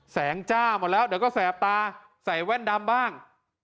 จ้าหมดแล้วเดี๋ยวก็แสบตาใส่แว่นดำบ้าง